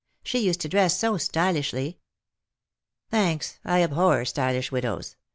She used to dress so stylishly." " Thanks. I abhor stylish widows.